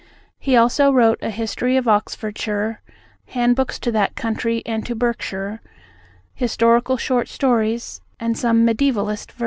He also wrote a History of Oxfordshire, handbooks to that county and to Berkshire, historical short stories, and some mediævalist verse.